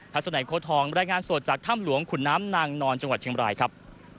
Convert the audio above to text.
สนัยโค้ทองรายงานสดจากถ้ำหลวงขุนน้ำนางนอนจังหวัดเชียงบรายครับ